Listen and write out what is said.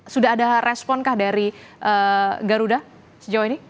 sudah ada responkah dari garuda sejauh ini